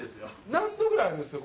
何度ぐらいあるんですか？